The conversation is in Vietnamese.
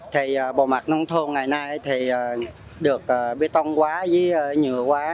thì bộ mặt nông thôn ngày nay thì được bê tông quá với nhựa quá